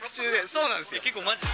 そうなんですよ。